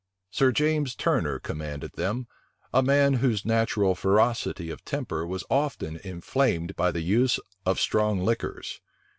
Sir James Turner commanded them, a man whose natural ferocity of temper was often inflamed by the use of strong liquors.